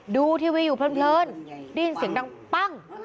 ดูทีวีอยู่เพลินได้ยินเสียงดังปั้ง